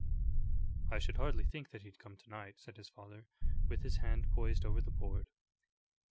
"I should hardly think that he'd come to night," said his father, with his hand poised over the board.